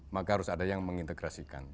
maka harus ada yang mengintegrasikan